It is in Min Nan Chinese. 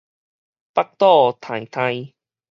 腹肚挺挺